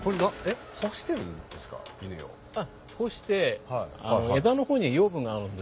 干して枝の方に養分があるんですよ。